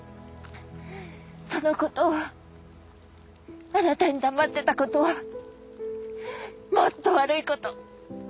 そのことをあなたに黙ってたことはもっと悪いこと。